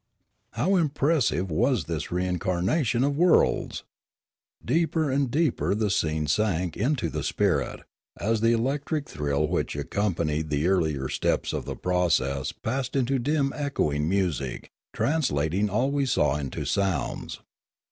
How impressive was this reincarnation of worlds! Deeper and deeper the scene sank into the spirit, as the electric thrill which accompanied the earlier steps of the process passed into dim echoing music, translat ing all we saw into sounds.